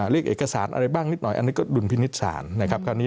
เรียกเอกสารอะไรบ้างนิดหน่อยอันนี้ก็ดุลพินิษฐ์ศาลนะครับ